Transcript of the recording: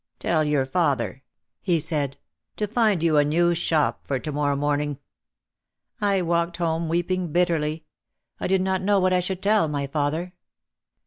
"Tell your father," he said, "to find you a new shop for to morrow morning." I walked home weeping bitterly. I did not know what I should tell my father.